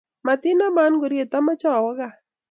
matinaman ngoriet ameche awo gaa